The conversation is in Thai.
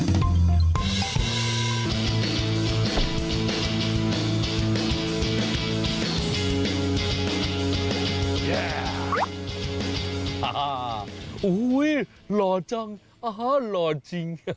โอ้โหหลอดจังหลอดจริง